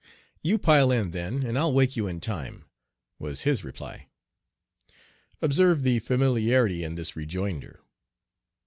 "You 'pile in' then, and I'll wake you in time," was his reply. Observe the familiarity in this rejoinder.